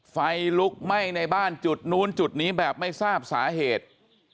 ไฟลุกไหม้ในบ้านจุดนู้นจุดนี้แบบไม่ทราบสาเหตุ